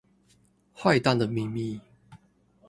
壞蛋的祕密